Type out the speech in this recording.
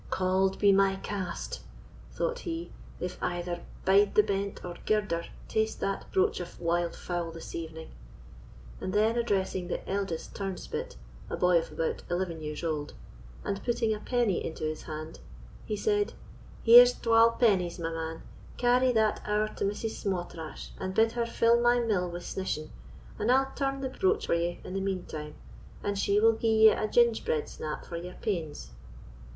"Cauld be my cast," thought he, "if either Bide the Bent or Girder taste that broach of wild fowl this evening"; and then addressing the eldest turnspit, a boy of about eleven years old, and putting a penny into his hand, he said, "Here is twal pennies, my man; carry that ower to Mrs. Sma'trash, and bid her fill my mill wi' snishing, and I'll turn the broche for ye in the mean time; and she will gie ye a ginge bread snap for your pains."